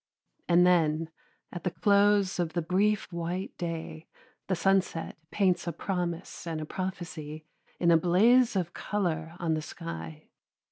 And then, at the close of the brief white day, the sunset paints a promise and a prophecy in a blaze of color on the sky.